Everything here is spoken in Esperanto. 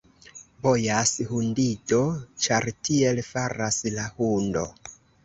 Bojas hundido, ĉar tiel faras la hundo.